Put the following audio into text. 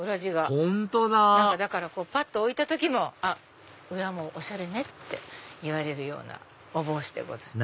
本当だだからぱっと置いた時も裏もおしゃれね！って言われるお帽子でございます。